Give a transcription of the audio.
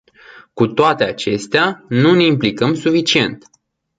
Cu toate acestea, nu ne implicăm suficient.